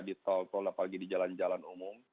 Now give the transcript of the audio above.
di tol tol apalagi di jalan jalan umum